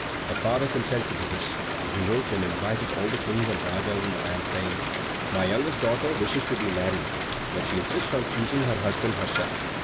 Her father consented to this, and he wrote and invited all the Kings and Rajas in the land, saying, "My youngest daughter wishes to be married, but she insists on choosing her husband herself.